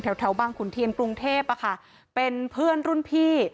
แถวบางขุนเทียนกรุงเทพเป็นเพื่อนรุ่นพี่